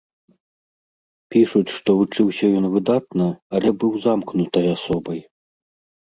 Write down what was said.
Пішуць, што вучыўся ён выдатна, але быў замкнутай асобай.